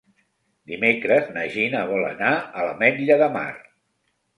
Dimecres na Gina vol anar a l'Ametlla de Mar.